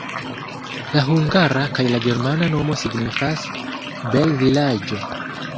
La hungara kaj la germana nomo signifas "bel-vilaĝo".